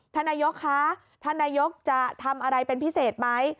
ท่านนายกคะท่านนายกจะทำอะไรเป็นพิเศษไหม